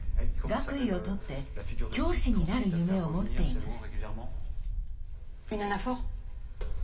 学位を取って教師になる夢を持っています。